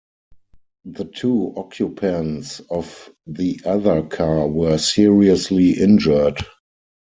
The two occupants of the other car were seriously injured.